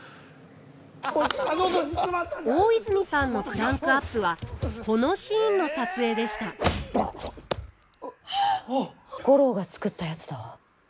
大泉さんのクランクアップはこのシーンの撮影でした五郎が作ったやつだわ。